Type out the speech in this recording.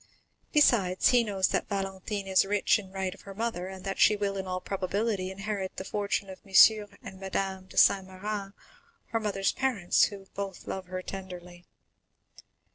Besides, he knows that Valentine is rich in right of her mother, and that she will, in all probability, inherit the fortune of M. and Madame de Saint Méran, her mother's parents, who both love her tenderly."